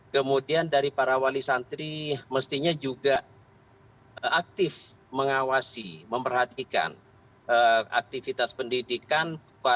kemudian dari para wali santri mestinya juga aktif mengawasi memperhatikan aktivitas pendidikan